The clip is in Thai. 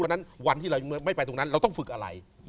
แล้วนั้นวันที่เราไม่ไปตรงนั้นเราต้องฝึกอะไร